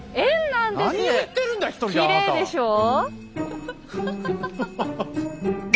きれいでしょう？